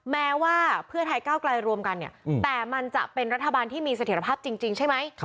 แม้ว่าเพื่อไทยก้าวไกลรวมกันเนี่ยแต่มันจะเป็นรัฐบาลที่มีเสถียรภาพจริงใช่ไหม